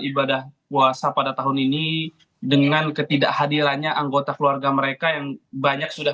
ibadah puasa pada tahun ini dengan ketidakhadirannya anggota keluarga mereka yang banyak sudah